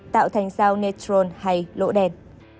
tạo thành sao neutron hay lỗ đẹp